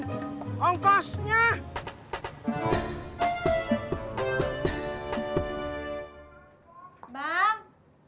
bang mau ngajak gak bang